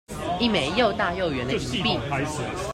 一枚又大又圓的銀幣